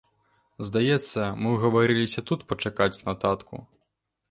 Здаецца, мы ўгаварыліся тут пачакаць на татку?